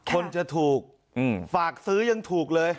คนจะถูกฝากซื้อยังถูกเลย